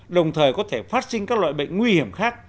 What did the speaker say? đồng thời có thể phát sinh các loại bệnh nguy hiểm khác